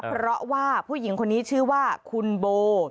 เพราะว่าผู้หญิงคนนี้ชื่อว่าคุณโบ